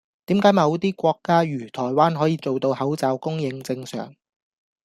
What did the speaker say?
點解某啲國家如台灣可以做到口罩供應正常